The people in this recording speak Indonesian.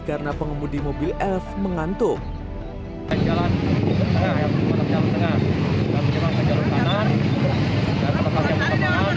karena pengemudi mobil elf mengantuk